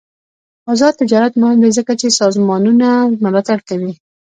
آزاد تجارت مهم دی ځکه چې سازمانونه ملاتړ کوي.